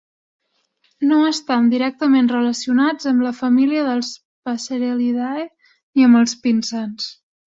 No estan directament relacionats amb la família dels "passerellidae" ni amb els pinsans.